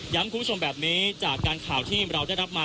คุณผู้ชมแบบนี้จากการข่าวที่เราได้รับมา